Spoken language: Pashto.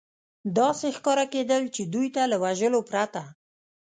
دا ښکاره کېدل، چې دوی ته له وژلو پرته.